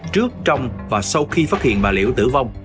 trước trong và sau khi phát hiện bà liễu tử vong